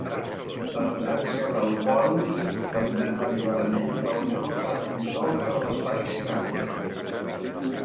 La presència del porus permet l'alliberament del neurotransmissor en l'espai sinàptic.